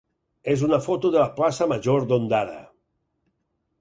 és una foto de la plaça major d'Ondara.